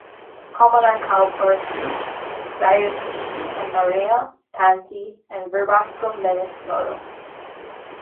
Common are cow parsley, various species centaurea, tansy and verbascum densiflorum.